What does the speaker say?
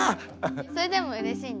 それでもうれしいんだ？